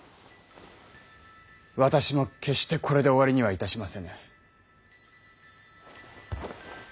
私も決してこれで終わりにはいたしませぬ。